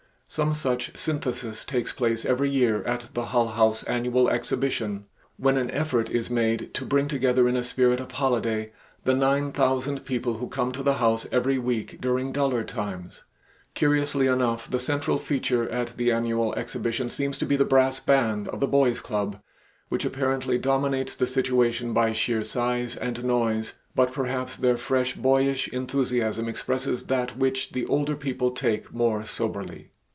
Some such synthesis takes place every year at the Hull House annual exhibition, when an effort is made to bring together in a spirit of holiday the nine thousand people who come to the House every week during duller times. Curiously enough the central feature at the annual exhibition seems to be the brass band of the boys' club which apparently dominates the situation by sheer size and noise, but perhaps their fresh boyish enthusiasm expresses that which the older people take more soberly.